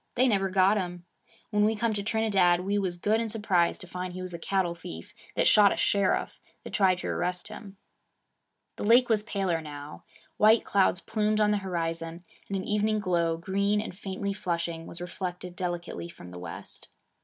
They never got him. When we come to Trinidad, we was good and surprised to find he was a cattle thief that shot a sheriff that tried to arrest him.' The lake was paler now. White clouds plumed on the horizon, and an evening glow, green and faintly flushing, was reflected delicately from the west.